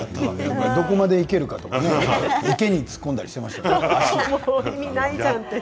どこまでいけるかとか池に突っ込んだりしました。